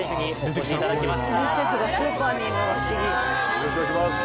よろしくお願いします